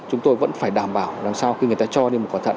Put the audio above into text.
chúng tôi vẫn phải đảm bảo rằng sau khi người ta cho đi một quả thận